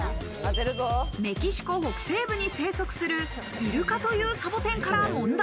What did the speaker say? メキシコ北西部に生息するイルカというサボテンから問題。